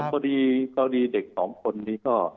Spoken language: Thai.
พอดีเด็กสองคนนี้ก็